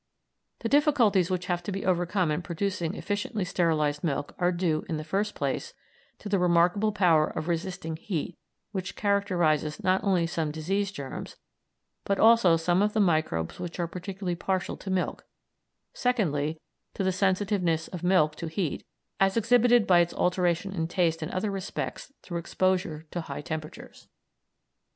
The difficulties which have to be overcome in producing efficiently sterilised milk are due, in the first place, to the remarkable power of resisting heat which characterises not only some disease germs, but also some of the microbes which are particularly partial to milk; secondly, to the sensitiveness of milk to heat, as exhibited by its alteration in taste and other respects through exposure to high temperatures.